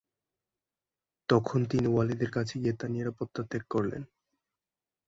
তখন তিনি ওয়ালিদের কাছে গিয়ে তাঁর নিরাপত্তা ত্যাগ করলেন।